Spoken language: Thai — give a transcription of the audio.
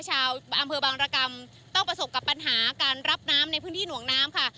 ชาวอำเภอบางรกรรมต้องประสบกับปัญหาการรับน้ำในพื้นที่หน่วงน้ำค่ะ